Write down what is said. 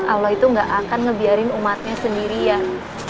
allah itu gak akan ngebiarin umatnya sendirian